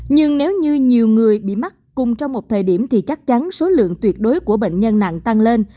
nhưng nếu như nhiều người bị mắc cùng trong một thời điểm thì chắc chắn số lượng tuyệt đối của bệnh nhân nặng tăng lên